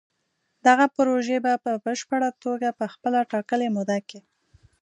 دغه پروژې به په پشپړه توګه په خپله ټاکلې موده کې